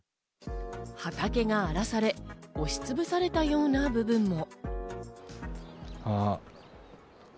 畑が荒らされ、押しつぶされたような部分も。